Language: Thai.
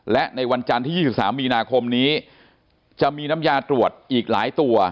และในวันจันทร์ที่๒๓มีนาคมนี้จะมีน้ำยาตรวจอีกหลายตัว